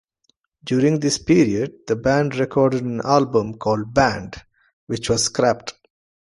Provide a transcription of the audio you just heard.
During this period, the band recorded an album called "Band", which was scrapped.